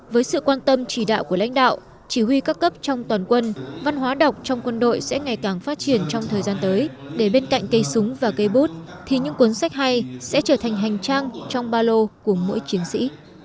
với sự quan tâm chỉ đạo của lãnh đạo chỉ huy các cấp trong toàn quân văn hóa đọc trong quân đội sẽ ngày càng phát triển trong thời gian tới để bên cạnh cây súng và cây bút thì những cuốn sách hay sẽ trở thành hành trang trong ba lô của mỗi chiến sĩ